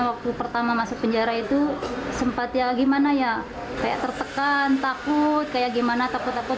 waktu pertama masuk penjara itu sempat ya gimana ya kayak tertekan takut kayak gimana takut takut